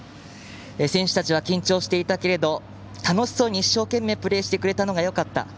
選手たちは緊張していたけれども楽しそうに一生懸命プレーしてくれたのがよかった。